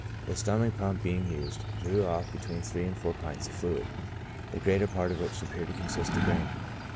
The stomach pump being used, drew ofF between three and four pints of fluid, the greater part of which appeared to consist of brandy.